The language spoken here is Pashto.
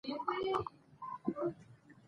هندوکش د افغانانو د فرهنګي پیژندنې برخه ده.